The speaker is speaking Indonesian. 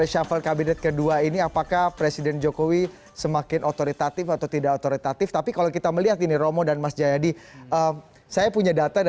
ya lebih masih melihat itu kepentingannya